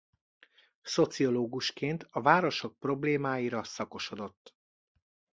Szociológusként a városok problémáira szakosodott.